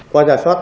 qua giải pháp